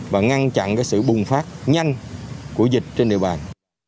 và ngăn chặn sự bùng phát nhanh của dịch trên địa bàn